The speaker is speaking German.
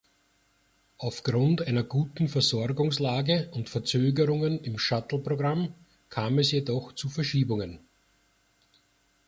Aufgrund einer guten Versorgungslage und Verzögerungen im Shuttle-Programm kam es jedoch zu Verschiebungen.